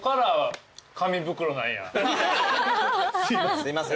すいません。